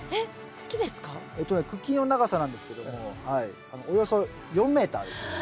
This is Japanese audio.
茎の長さなんですけどもおよそ４メーターです。